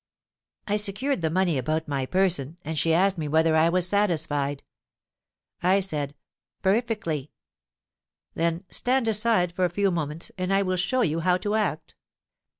"I secured the money about my person, and she asked me whether I was satisfied? I said, 'Perfectly.'——'Then stand aside for a few moments, and I will show you how to act.'